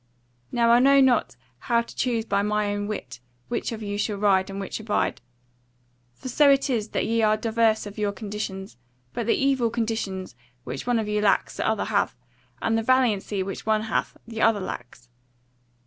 Now I know not how to choose by mine own wit which of you shall ride and which abide. For so it is that ye are diverse of your conditions; but the evil conditions which one of you lacks the other hath, and the valiancy which one hath, the other lacks.